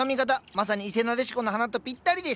まさに伊勢ナデシコの花とぴったりです。